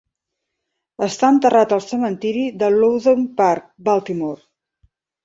Està enterrat al cementiri de Loudon Park, Baltimore.